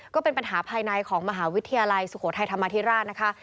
ก็เป็นปัญหาภายในของมหาวิทยาลัยสุโขทัยธรรมาธิราชนะคะ